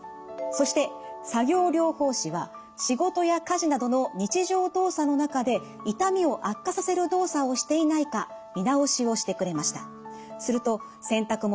そして作業療法士は仕事や家事などの日常動作の中で痛みを悪化させる動作をしていないか見直しをしてくれました。